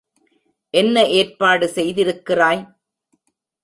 என்ன ஏற்பாடு செய்திருக்கிறாய்?